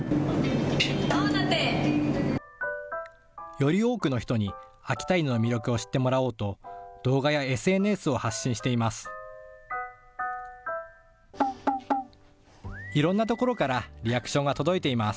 より多くの人に秋田犬の魅力を知ってもらおうと動画やＳＮＳを発信しています。